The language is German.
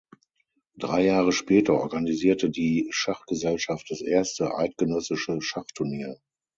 Drei Jahre später organisierte die Schachgesellschaft das erste „Eidgenössische Schachturnier“.